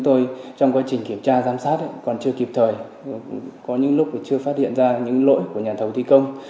tôi trong quá trình kiểm tra giám sát còn chưa kịp thời có những lúc chưa phát hiện ra những lỗi của nhà thầu thi công